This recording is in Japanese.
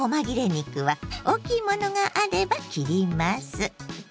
肉は大きいものがあれば切ります。